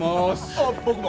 ああ僕も！